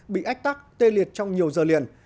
bị ách tắc tê liệt trong nhiều giờ liền